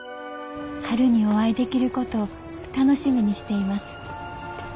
春にお会いできることを楽しみにしています。